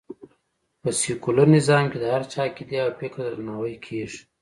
په سکیولر نظام کې د هر چا عقېدې او فکر ته درناوی کېږي